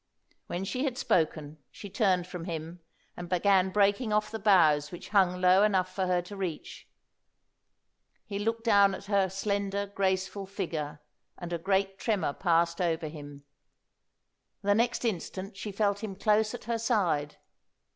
When she had spoken she turned from him and began breaking off the boughs which hung low enough for her to reach. He looked down at her slender, graceful figure, and a great tremor passed over him. The next instant she felt him close at her side.